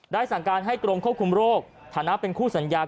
สั่งการให้กรมควบคุมโรคฐานะเป็นคู่สัญญา